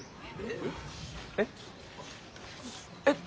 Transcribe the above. えっ？えっ？